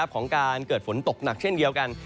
ของการเกิดฝนตกหนักเช่นเดียวกัน